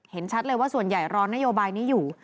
เห็นชัดเลยว่าส่วนใหญ่รอนโยบายนี้อยู่